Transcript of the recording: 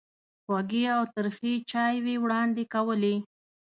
خوږې او ترخې چایوې وړاندې کولې.